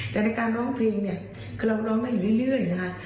แต่ในการร้องเพลงเนี่ยคือเราร้องได้อยู่เรื่อยนะคะ